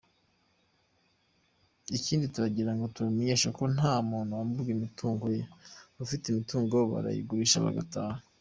Ikindi turagira ngo tubamenyeshe ko nta muntu wamburwa imitungo ye, abafite imitungo, barayigurisha bagataha.